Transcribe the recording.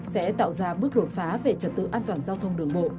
sẽ tạo ra bước đột phá về trật tự an toàn giao thông đường bộ